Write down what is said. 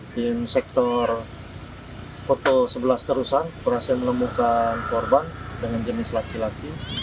tim sektor foto sebelas terusan berhasil menemukan korban dengan jenis laki laki